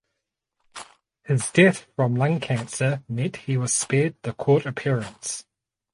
His death from lung cancer meant that he was spared the court appearance.